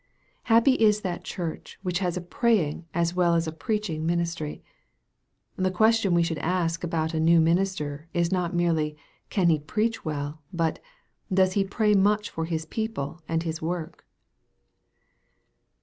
Happy is that church which has a praying as well as a preaching ministry ! The question we should ask about a new minister, is not merely " Can he preach well ?" but " Does he pray much for his people and his work